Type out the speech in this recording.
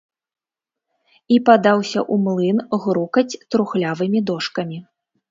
І падаўся ў млын грукаць трухлявымі дошкамі.